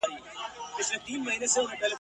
تېرول چي مي کلونه هغه نه یم ..